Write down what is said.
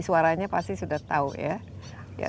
suaranya pasti sudah tahu ya